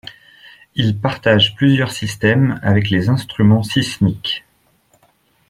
Il partage plusieurs systèmes avec les instruments sismiques.